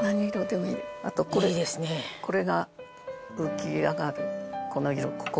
あとこれこれが浮き上がるこの色ここ。